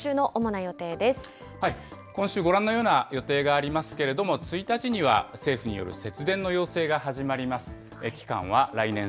今週、ご覧のような予定がありますけれども、１日には政府による節電の要請が始まります。